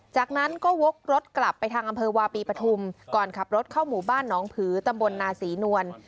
จากนั้นก็วกรถกลับไปทางอำเภอวาปีปฐุมก่อนขับรถเข้าหมู่บ้านหนองผือตำบลนาศรีนวล